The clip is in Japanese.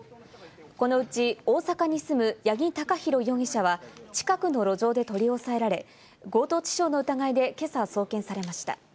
このうち、大阪に住む八木貴寛容疑者は近くの路上で取り押さえられ、強盗致傷の疑いで今朝送検されました。